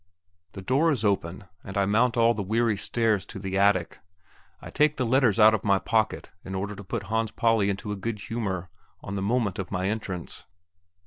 The door is open, and I mount all the weary stairs to the attic. I take the letters out of my pocket in order to put Hans Pauli into a good humour on the moment of my entrance.